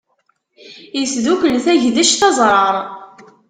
Isdukkel tagdect, aẓrar.